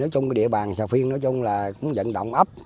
thì địa bàn sà phiên cũng dẫn động ấp